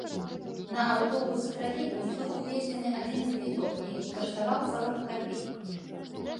На аўтобус і тралейбус быў уведзены адзіны квіток, які каштаваў сорак капеек.